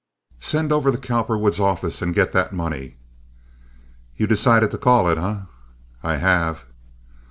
"Send over to Cowperwood's office and get that money." "You decided to call it, eh?" "I have."